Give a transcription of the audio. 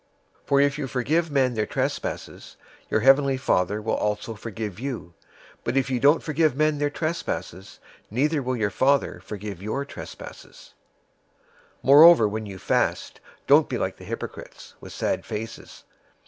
"}' 006:014 "For if you forgive men their trespasses, your heavenly Father will also forgive you. 006:015 But if you don't forgive men their trespasses, neither will your Father forgive your trespasses. 006:016 "Moreover when you fast, don't be like the hypocrites, with sad faces.